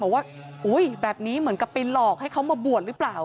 บอกว่าแบบนี้เหมือนกับไปหลอกให้เขามาบวชหรือเปล่า